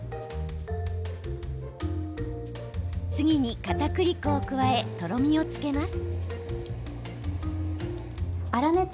次に、かたくり粉を加えとろみをつけます。